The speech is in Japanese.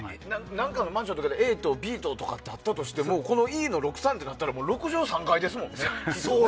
何かのマンションでＡ棟、Ｂ棟とかあったとしてもＥの６３ってなったら６３階ですもんね。